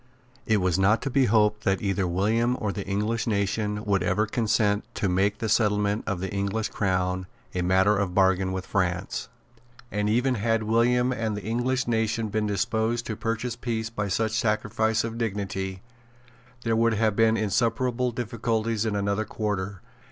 It was not to be hoped that either William or the English nation would ever consent to make the settlement of the English crown a matter of bargain with France. And even had William and the English nation been disposed to purchase peace by such a sacrifice of dignity, there would have been insuperable difficulties in another quarter.